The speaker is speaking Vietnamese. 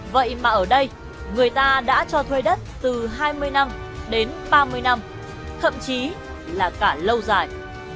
vậy mà ở đây người ta đã cho thuê đất từ hai mươi năm đến ba mươi năm thậm chí là cả lâu dài